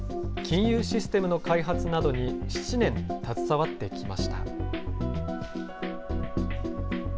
金融システムの開発などに７年携わってきました。